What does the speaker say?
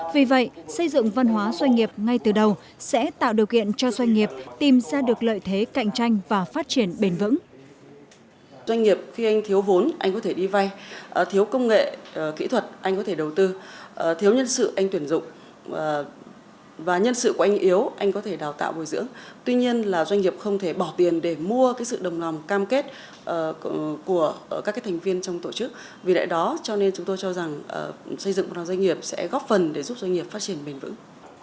vì vậy xây dựng văn hóa doanh nghiệp ngay từ đầu sẽ tạo điều kiện cho doanh nghiệp tìm ra được lợi thế cạnh tranh và phát triển bền vững